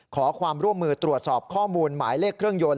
ขอความร่วมมือตรวจสอบข้อมูลหมายเลขเครื่องยนต์